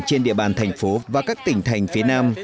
trên địa bàn thành phố và các tỉnh thành phía nam